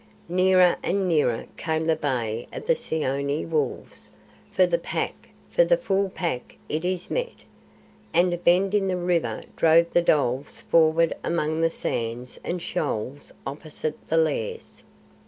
Nearer and nearer came the bay of the Seeonee wolves. "For the Pack, for the Full Pack it is met!" and a bend in the river drove the dholes forward among the sands and shoals opposite the Lairs.